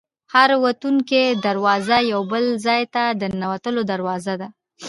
هره وتونکې دروازه یو بل ځای ته د ننوتلو دروازه ده.